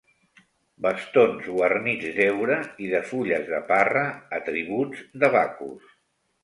Bastons guarnits d'heura i de fulles de parra, atributs de Bacus.